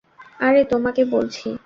আরে তোমাকে বলছি।